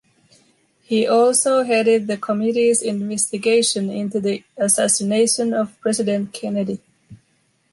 He also headed the committee’s investigation into the assassination of President Kennedy.